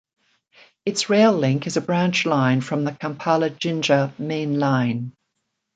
Its rail link is a branch line from the Kampala-Jinja main line.